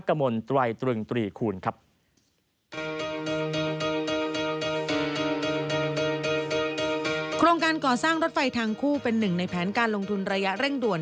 การก่อสร้างรถไฟทางคู่เป็นหนึ่งในแผนการลงทุนระยะเร่งด่วน